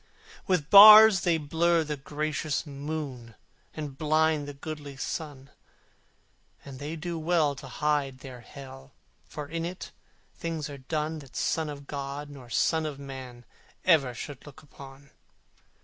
With bars they blur the gracious moon, And blind the goodly sun: And they do well to hide their Hell, For in it things are done That Son of God nor son of Man Ever should look upon!